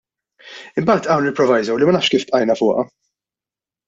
Imbagħad hawn il-proviso li ma nafx kif bqajna fuqha.